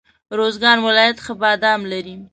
روزګان ولایت ښه بادام لري.